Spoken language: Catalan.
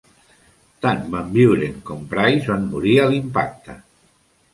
Tant Van Vuuren com Pryce van morir a l'impacte.